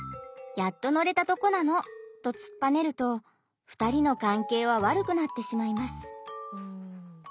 やっと乗れたとこなの！」とつっぱねると２人の関係は悪くなってしまいます。